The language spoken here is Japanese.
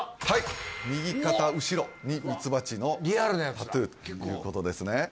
はい右肩後ろにミツバチのタトゥーということですね